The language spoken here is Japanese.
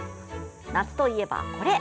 夏といえば、これ！